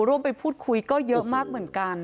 ร่วมไปพูดคุยก็เยอะมากเหมือนกัน